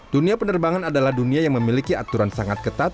dunia penerbangan adalah dunia yang memiliki aturan sangat ketat